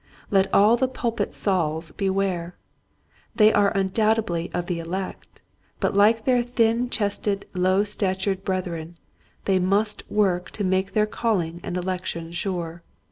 Let all the pulpit Sauls beware ! They are undoubt edly of the elect, but like their thin chested, low statured brethren, they must work to make their calling and election sure.